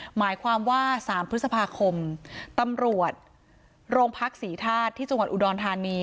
หมายความว่า๓พฤษภาคมตำรวจโรงพักศรีธาตุที่จังหวัดอุดรธานี